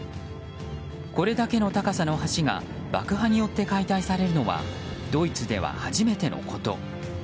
これだけの橋が爆破によって解体されるのはドイツでは初めてのこと。